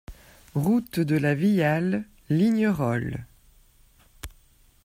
Route de la Viale, Lignerolles